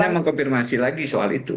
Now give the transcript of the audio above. saya mengkonfirmasi lagi soal itu